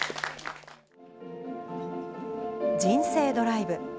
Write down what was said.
人生ドライブ。